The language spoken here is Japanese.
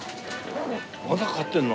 まだ買ってるの？